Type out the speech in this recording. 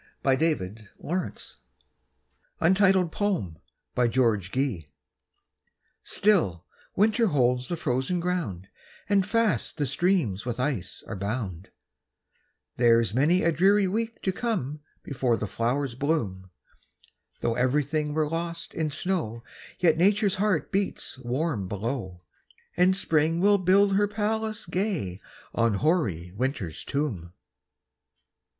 We end with the question, Have they? Rowland Watts. Still winter holds the frozen ground and fast the streams with ice are bound, There's many a dreary week to come before the flowers bloom; Though everything were lost in snow yet Nature's heart beats warm below And Spring will build her palace gay on hoary Winter's tomb.